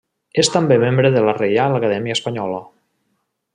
És també membre de la Reial Acadèmia Espanyola.